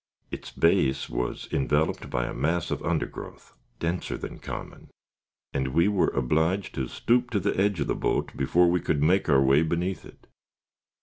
Its base was enveloped by a mass of undergrowth, denser than common, and we were obliged to stoop to the edge of the boat before we could make our way beneath it.